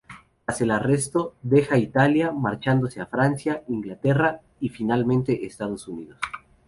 Tras el arresto deja Italia, marchándose a Francia, Inglaterra y finalmente Estados Unidos.